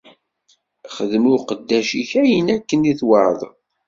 Xdem i uqeddac-ik ayen akken i tweɛdeḍ.